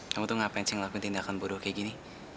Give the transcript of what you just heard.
kamu tuh ngapain cing lakuin tindakan bodoh kayak gini